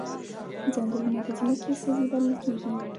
ځنګلونه د ځمکې سږي بلل کیږي